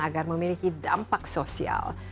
agar memiliki dampak sosial